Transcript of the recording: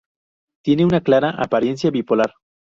Tiene una clara apariencia bipolar.